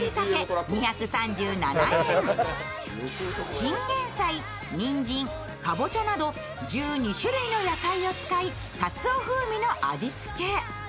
チンゲン菜、にんじん、かぼちゃなど１２種類の野菜を使いかつお風味の味つけ。